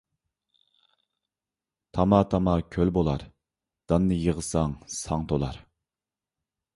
تاما - تاما كۆل بولار ، داننى يىغساڭ ساڭ تولار.